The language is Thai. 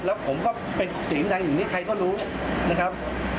แล้วผมก็เป็นเสียงดังอย่างนี้ใครก็รู้นะครับ